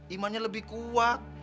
imannya lebih kuat